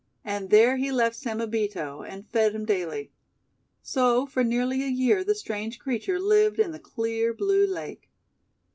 And there he left Samebito and fed him daily. So for nearly a year the strange creature lived in the clear blue lake.